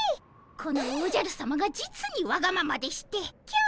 このおじゃるさまが実にわがままでして今日も。